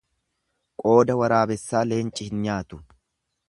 Qooda waraabessaa leenci hin nyaatu.